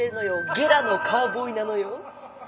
ゲラのカウボーイなのよ。